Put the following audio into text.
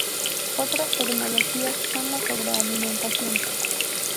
Otras tecnologías son la sobrealimentación.